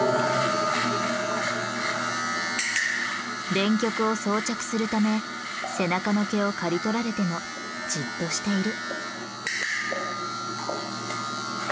電極を装着するため背中の毛を刈り取られてもじっとしている。